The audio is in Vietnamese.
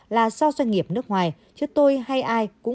là do doanh nghiệp nước ngoài chứ tôi hay ai cũng